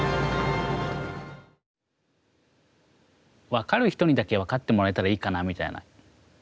分かる人にだけ分かってもらえたらいいかなみたいな。